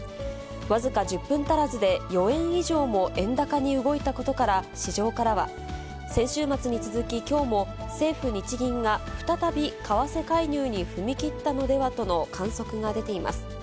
僅か１０分足らずで４円以上も円高に動いたことから、市場からは、先週末に続き、きょうも政府・日銀が再び為替介入に踏み切ったのではとの観測が出ています。